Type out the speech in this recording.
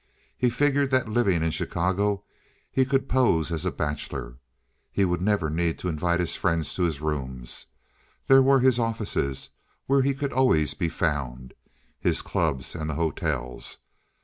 He figured that living in Chicago he could pose as a bachelor. He would never need to invite his friends to his rooms. There were his offices, where he could always be found, his clubs and the hotels.